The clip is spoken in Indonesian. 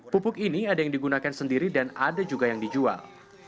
pupuk ini ada yang digunakan sendiri dan ada juga yang dijual